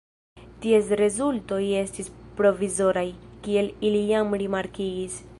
Ties rezultoj estis provizoraj, kiel ili jam rimarkigis.